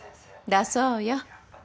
だそうよ。